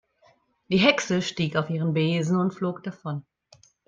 Die Hexe stieg auf ihren Besen und flog davon.